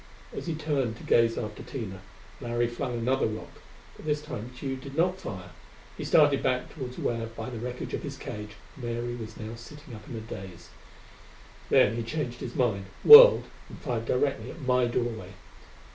As he turned to gaze after Tina, Larry flung another rock. But this time Tugh did not fire. He started back toward where, by the wreckage of his cage, Mary was now sitting up in a daze; then he changed his mind, whirled and fired directly at my doorway.